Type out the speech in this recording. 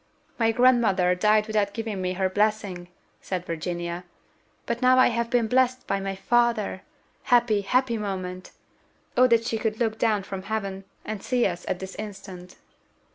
"My grandmother died without giving me her blessing," said Virginia; "but now I have been blessed by my father! Happy, happy moment! O that she could look down from heaven, and see us at this instant!"